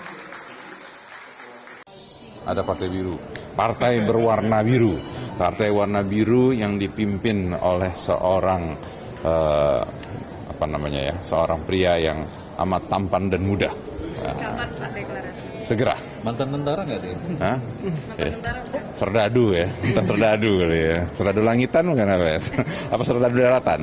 harus segera harus segera